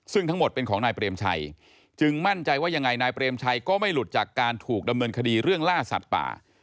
ซึ่งทั้งหมดเป็นของนายเปรมชัยจึงมั่นใจว่ายังไงนายเปรมชัยก็ไม่หลุดจากการถูกดำเนินคดีเรื่องล่าสัตว์ป่า